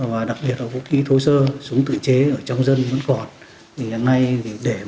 và đặc biệt là vũ khí thối sơ súng tự chế trong dân vẫn còn hiện nay để làm tốt việc tuyên truyền